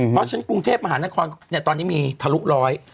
เพราะฉะนั้นกรุงเทพมหานครตอนนี้มีทะลุร้อย